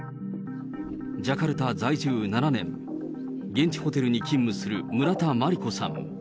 ジャカルタ在住７年、現地ホテルに勤務する、村田真理子さん。